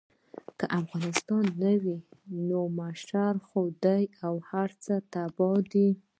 که افغانستان نه وي نو محشر دی او هر څه تباه دي.